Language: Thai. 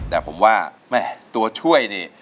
แต่ผมว่าแม่ตัวช่วยนี่